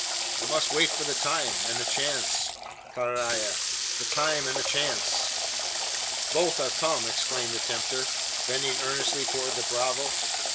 I must wait for the time, and the chance carrai, the time and the chance." "Both are come!" exclaimed the tempter, bending earnestly towards the bravo.